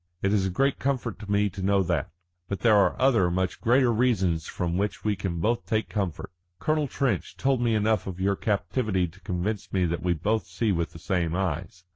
It is a great comfort to me to know that. But there are other, much greater reasons from which we can both take comfort. Colonel Trench told me enough of your captivity to convince me that we both see with the same eyes.